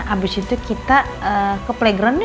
habis itu kita ke playgroundnya